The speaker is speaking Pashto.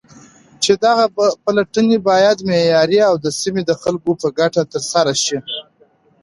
چې دغه پلټنې بايد معياري او د سيمې د خلكو په گټه ترسره شي.